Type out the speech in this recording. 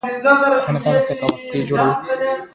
نجلۍ له رڼا نه ښکلا اخلي.